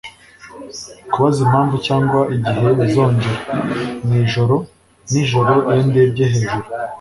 kubaza impamvu cyangwa igihe bizongera. mwijoro nijoro iyo ndebye hejuru